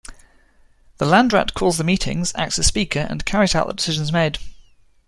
The Landrat calls the meetings, acts as speaker, and carries out the decisions made.